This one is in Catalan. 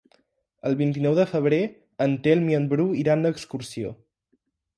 El vint-i-nou de febrer en Telm i en Bru iran d'excursió.